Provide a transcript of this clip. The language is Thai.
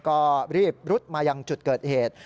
ก็รีบรุดมายังจุดเกิดเหตุ